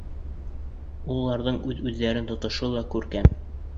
Уларҙың үҙ-үҙҙәрен тотошо ла күркәм.